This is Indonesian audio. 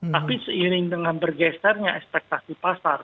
tapi seiring dengan bergesernya ekspektasi pasar